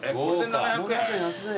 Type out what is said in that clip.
７００円安い。